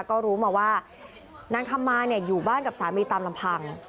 ก็รู้มาว่านางคำมาอยู่บ้านกับสามีตามลำพัง